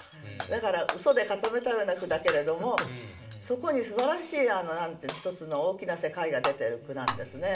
だからうそで固めたような句だけれどもそこにすばらしい一つの大きな世界が出ている句なんですね。